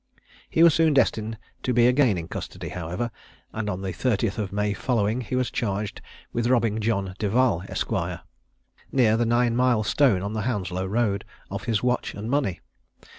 He was soon destined to be again in custody, however, and on the 30th of May following, he was charged with robbing John Devall, Esq. near the nine mile stone on the Hounslow road, of his watch and money.